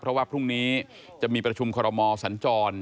เพราะว่าพรุ่งนี้จะมีประชุมคอรมอสัญจร